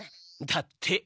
だって。